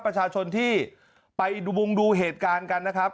ประชาชนที่ไปมุงดูเหตุการณ์กันนะครับ